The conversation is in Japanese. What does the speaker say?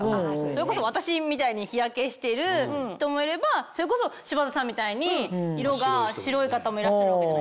それこそ私みたいに日焼けしてる人もいればそれこそ柴田さんみたいに色が白い方もいらっしゃるわけじゃないですか。